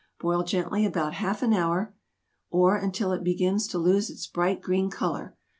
Boil gently about half hour, or until it begins to lose its bright green color.